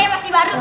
saya masih baru